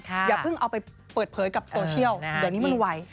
อย่าเพิ่งเอาไปเปิดเผยกับโซเชียลเดี๋ยวนี้มันไหว